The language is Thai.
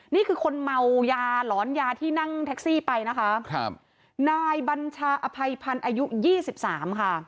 นี่คือคนเมายาหลอนยาที่นั่งแท็กซี่ไปนะคะครับนายบัญชาอภัยพันธ์อายุยี่สิบสามค่ะ